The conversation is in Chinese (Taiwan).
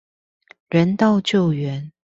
人道救援